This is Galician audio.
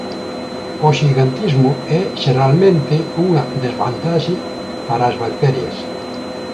O xigantismo é xeralmente unha desvantaxe para as bacterias.